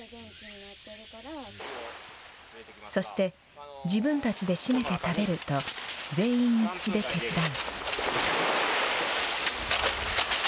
そして、自分たちでしめて食べると、全員一致で決断。